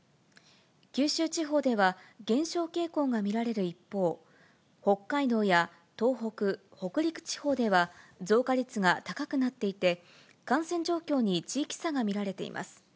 九州地方では、減少傾向が見られる一方、北海道や東北、北陸地方では増加率が高くなっていて、感染状況に地域差が見られています。